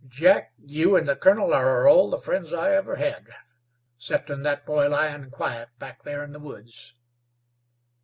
"Jack, you an' the colonel are all the friends I ever hed, 'ceptin' that boy lyin' quiet back there in the woods."